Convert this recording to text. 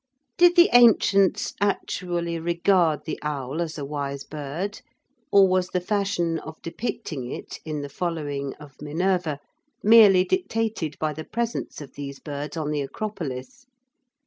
Did the ancients actually regard the owl as a wise bird, or was the fashion of depicting it in the following of Minerva merely dictated by the presence of these birds on the Akropolis?